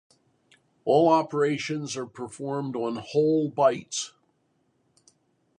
All operations are performed on whole bytes.